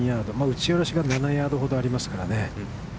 打ち下ろしが７ヤードほどありますからね。